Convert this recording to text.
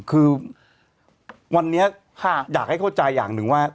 คือวันนี้อยากให้เข้าใจอย่างหนึ่งว่า